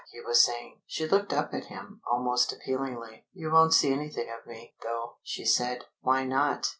he was saying. She looked up at him, almost appealingly. "You won't see anything of me, though," she said. "Why not?"